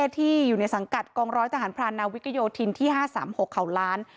ที่อยู่ในสังกัดกองร้อยทหารพรานนาวิกโยธินที่๕๓๖เขาล้าน